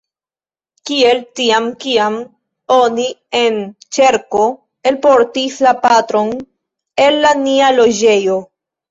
Kiel tiam, kiam oni en ĉerko elportis la patron el nia loĝejo.